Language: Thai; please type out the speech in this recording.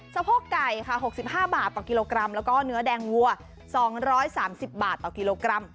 สะโพกไก่ค่ะ๖๕บาทต่อกิโลกรัมแล้วก็เนื้อแดงวัว๒๓๐บาทต่อกิโลกรัม